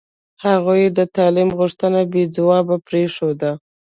هغوی د تعلیم غوښتنه بې ځوابه پرېښوده.